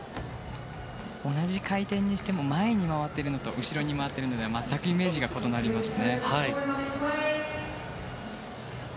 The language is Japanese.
同じ回転にしても前に回っているのか後ろに回っているのとでは全くイメージが異なります。